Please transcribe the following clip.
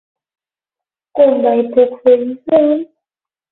Com mai puc fer-hi front?